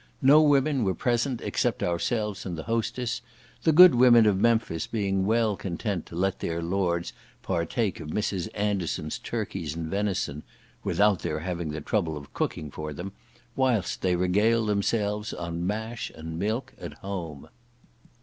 No women were present except ourselves and the hostess; the good women of Memphis being well content to let their lords partake of Mrs. Anderson's turkeys and venison, (without their having the trouble of cooking for them), whilst they regale themselves on mash and milk at home.